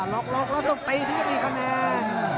ล็อกแล้วต้องตีถึงจะมีคะแนน